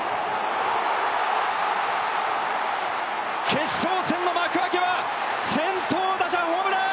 決勝戦の幕開けは、先頭打者ホームラン！